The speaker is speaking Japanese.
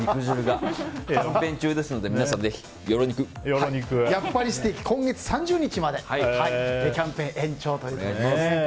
キャンペーン中ですのでやっぱりステーキ今月３０日までキャンペーン延長ということです。